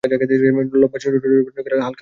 লম্বা সোজা ঠোঁটের গোড়ায় হালকা লালচে ভাব থাকে।